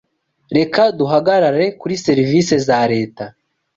Reka duhagarare kuri serivise za leta.